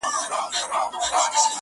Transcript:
• ه تا ويل اور نه پرېږدو تنور نه پرېږدو.